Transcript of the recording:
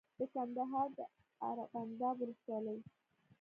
د کندهار د ارغنداب ولسوالۍ